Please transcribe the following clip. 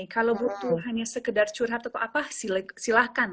kalau butuh hanya sekedar curhat atau apa silahkan